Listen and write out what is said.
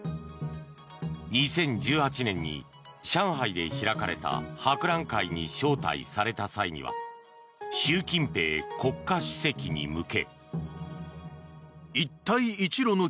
２０１８年に上海で開かれた博覧会で招待された際には習近平国家主席に向け。